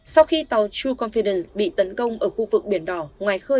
sau khi tàu true confidence bị tấn công ở khu vực biển đỏ